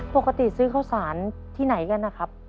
ปกติซื้อข้าวสารที่ไหนกันนะครับ